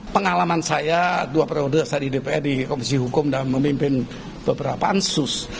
pengalaman saya dua periode saya di dpr di komisi hukum dan memimpin beberapa pansus